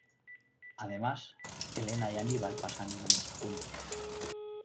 Además, Elena y Aníbal pasan una noche juntos.